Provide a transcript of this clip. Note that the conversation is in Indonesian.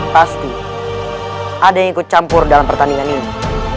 pasti ada yang ikut campur dalam pertandingan ini